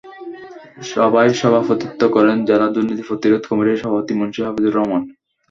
সভায় সভাপতিত্ব করেন জেলা দুর্নীতি প্রতিরোধ কমিটির সভাপতি মুন্সি হাফিজুর রহমান।